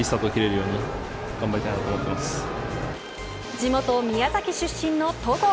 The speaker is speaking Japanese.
地元宮崎出身の戸郷。